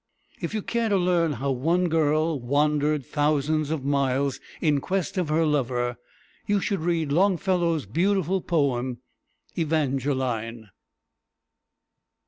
If you care to learn how one girl wandered thousands of miles in quest of her lover, you should read Long´fel low's beautiful poem "E van´ge line."